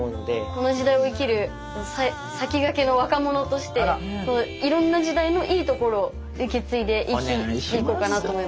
この時代を生きる先駆けの若者としていろんな時代のいいところを受け継いでいこうかなと思いました。